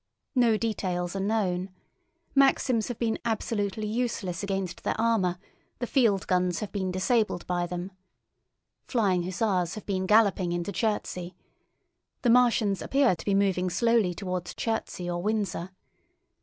No details are known. Maxims have been absolutely useless against their armour; the field guns have been disabled by them. Flying hussars have been galloping into Chertsey. The Martians appear to be moving slowly towards Chertsey or Windsor.